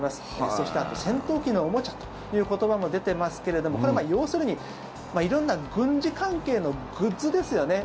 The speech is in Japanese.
そして、あと戦闘機のおもちゃという言葉も出てますけれどもこれは要するに色んな軍事関係のグッズですよね。